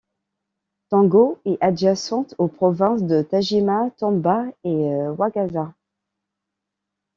Tango est adjacente aux provinces de Tajima, Tamba et Wakasa.